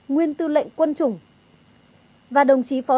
nguyên tư lệnh quân chủng